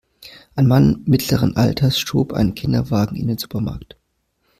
Ein Mann mittleren Alters schob einen Kinderwagen in den Supermarkt.